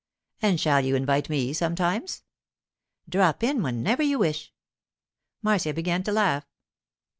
'And shall you invite me sometimes?' 'Drop in whenever you wish.' Marcia began to laugh.